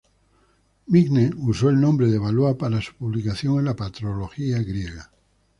Migne usó el nombre de Valois para su publicación en la patrología griega.